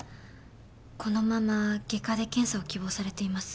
このまま外科で検査を希望されています。